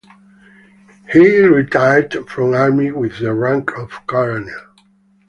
He retired from the army with the rank of Colonel.